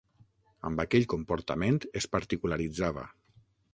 Amb aquell comportament es particularitzava.